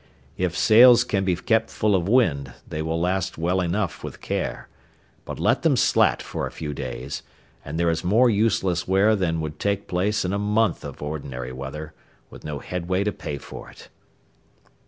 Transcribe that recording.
If sails can be kept full of wind, they will last well enough with care; but let them slat for a few days, and there is more useless wear than would take place in a month of ordinary weather, with no headway to pay for it.